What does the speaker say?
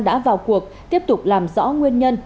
đã vào cuộc tiếp tục làm rõ nguyên nhân